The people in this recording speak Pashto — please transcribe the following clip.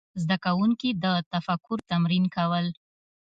زده کوونکي د تفکر تمرین کول.